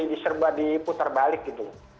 di serba diputar balik gitu